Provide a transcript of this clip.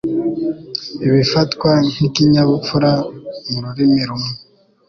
Ibifatwa nk'ikinyabupfura mu rurimi rumwe